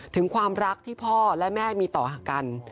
ถึงความรักที่พ่อและแม่มีต่อกัน